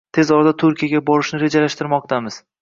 Tez orada Turkiyaga borishni rejalashtirmoqdamiz